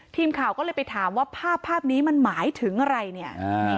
ทีมข่าวก็เลยไปถามว่าภาพภาพนี้มันหมายถึงอะไรเนี่ยอ่า